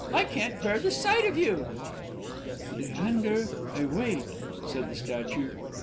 "I can't bear the sight of you!" "Leander, I wait," said the statue.